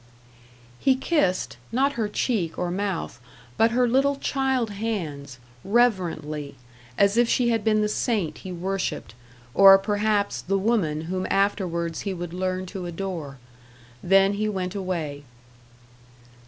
He kissed, not her cheek or mouth, but her little child hands, reverently, as if she had been the saint he worshipped, or, perhaps, the woman whom afterwards he would learn to adore. Then he went away.